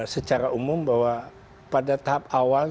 secara umum bahwa pada tahap awal